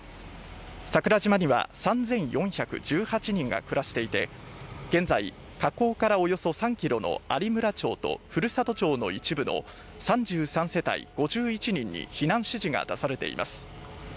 桜島には３４１８人が暮らしていて現在、火口からおよそ３ｋｍの有村町と古里町の一部の３３世帯５１人に避難指示が出されています。